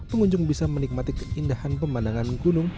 pengunjung bisa menikmati keindahan pemandangan gunung